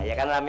ya kan lam ya